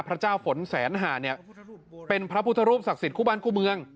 พระเจ้าฝนแสนหาเนี่ยเป็นพระพุทธรูปศักดิ์สิทธิคู่บ้านคู่เมือง